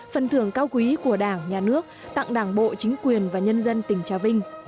phần thưởng cao quý của đảng nhà nước tặng đảng bộ chính quyền và nhân dân tỉnh trà vinh